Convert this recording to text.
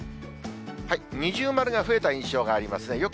二重丸が増えた印象がありますね。